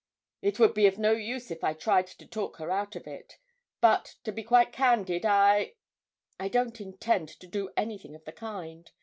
'It would be of no use if I tried to talk her out of it; but, to be quite candid, I I don't intend to do anything of the kind....